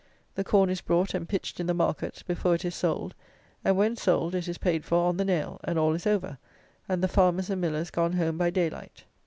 The corn is brought and pitched in the market before it is sold; and, when sold, it is paid for on the nail; and all is over, and the farmers and millers gone home by day light.